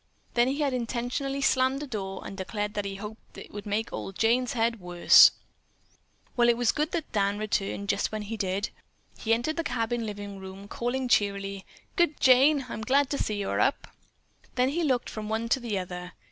Then he had intentionally slammed a door and had declared that he hoped it would make "ol' Jane's" head worse. It was well that Dan returned just when he did. He entered the cabin living room calling cheerily, "Good, Jane, I'm glad to see you are up." Then he looked from one to the other.